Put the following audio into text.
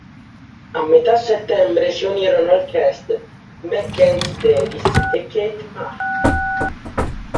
A metà settembre si unirono al cast Mackenzie Davis, e Kate Mara.